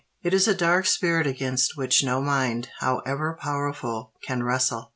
It is a dark spirit against which no mind, however powerful, can wrestle.